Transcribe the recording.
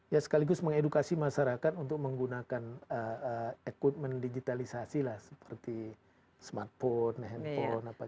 ya sekaligus mengedukasi masyarakat untuk menggunakan equipment digitalisasi lah seperti smartphone handphone